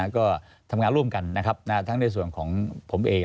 ก็ทำงานร่วมกันนะครับทั้งในส่วนของผมเอง